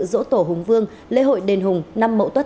dỗ tổ hùng vương lễ hội đền hùng năm mẫu tuất hai nghìn một mươi tám